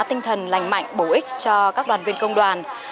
tinh thần lành mạnh bổ ích cho các đoàn viên công đoàn